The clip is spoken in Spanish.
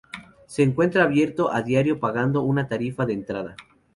Se encuentra abierto a diario pagando una tarifa de entrada.